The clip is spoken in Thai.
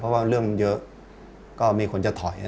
เพราะว่าเรื่องเยอะก็มีคนจะถอย